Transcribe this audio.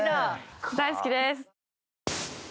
大好きです。